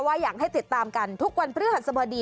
ว่าอยากให้ติดตามกันทุกวันพฤษภาษณภดี